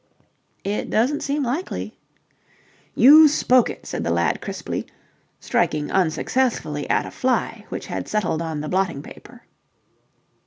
"It doesn't seem likely." "You spoke it!" said the lad crisply, striking unsuccessfully at a fly which had settled on the blotting paper.